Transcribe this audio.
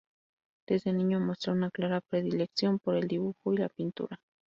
Desde niño muestra una clara predilección por el dibujo y la pintura.